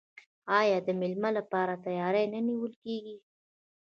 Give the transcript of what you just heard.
آیا د میلمه لپاره تیاری نه نیول کیږي؟